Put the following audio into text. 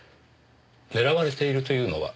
狙われているというのは？